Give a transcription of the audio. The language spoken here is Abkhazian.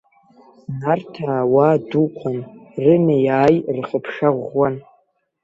Нарҭаа уаа-дуқәан, рынеи-ааи, рхыԥша ӷәӷәан.